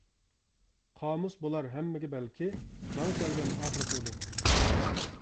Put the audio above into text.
قامۇس بولار ھەممىگە بەلكى، ماڭا كەلگەن ئاخىرقى ئۆلۈم.